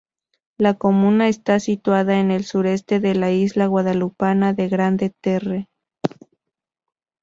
La comuna está situada en el sureste de la isla guadalupana de Grande-Terre.